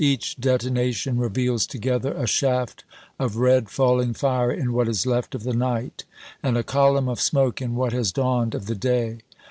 Each detonation reveals together a shaft of red falling fire in what is left of the night, and a column of smoke in what has dawned of the day.